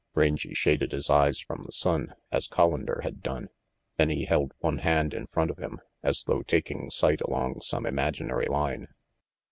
Rangy shaded his eyes from the sun, as Collander had done, then he held one hand in front of him, as though taking sight along some imaginary line.